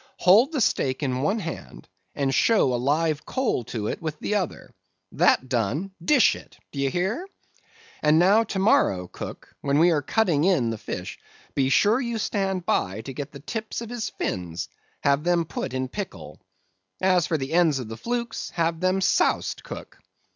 Hold the steak in one hand, and show a live coal to it with the other; that done, dish it; d'ye hear? And now to morrow, cook, when we are cutting in the fish, be sure you stand by to get the tips of his fins; have them put in pickle. As for the ends of the flukes, have them soused, cook.